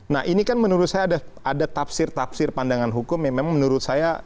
nah ini kan menurut saya ada tafsir tapsir pandangan hukum yang memang menurut saya silahkan di clear kan